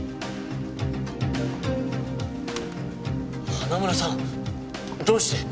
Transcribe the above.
花村さんどうして！？